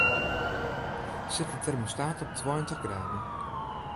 Set de termostaat op tweintich graden.